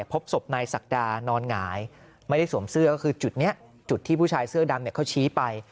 พบศพนายศักดานอนหงายไม่ได้สวมเสื้อก็คือจุดนี้จุดที่ผู้ชายเสื้อดำเขาชี้ไป